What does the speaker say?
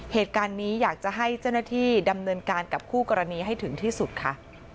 เหตุการณ์นี้อยากจะให้เจ้าหน้าที่ดำเนินการกับคู่กรณีให้ถึงที่สุดค่ะ